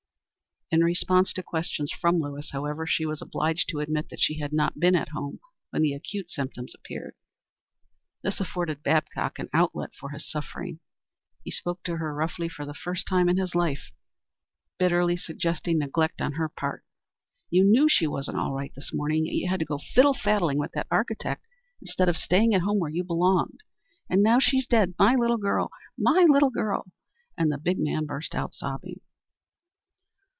In response to questions from Lewis, however, she was obliged to admit that she had not been at home when the acute symptoms appeared. This afforded Babcock an outlet for his suffering. He spoke to her roughly for the first time in his life, bitterly suggesting neglect on her part. "You knew she wasn't all right this morning, yet you had to go fiddle faddling with that architect instead of staying at home where you belonged. And now she's dead. My little girl, my little girl!" And the big man burst out sobbing.